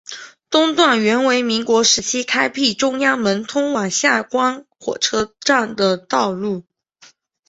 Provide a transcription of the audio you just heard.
东段原为民国时期开辟中央门通往下关火车站的道路。